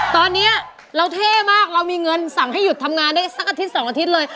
ตอนนี้เราเท่มากเรามีเงินสั่งให้หยุดทำงานได้สักอาทิตย์๒อาทิตย์เลย